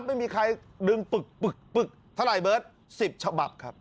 ไม่มีใครเรื่องปึกปึกปึกว่าเท่าไหร่เบอร์สำหรับครับ